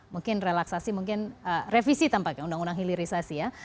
mungkin relaksasi mungkin revisi tampaknya undang undang hilirisasi ya